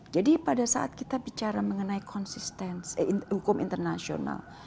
jadi pada saat kita bicara mengenai konsistensi eh hukum internasional